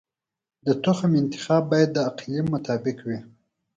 د تخم انتخاب باید د اقلیم مطابق وي.